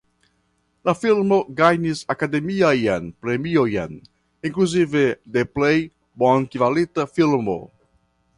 La filmo gajnis Akademiajn Premiojn inkluzive de Plej Bonkvalita Filmo.